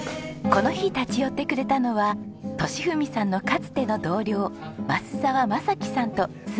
この日立ち寄ってくれたのは利文さんのかつての同僚増沢真樹さんと妻の優子さん。